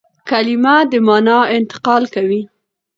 کلیمه د مانا انتقال کوي.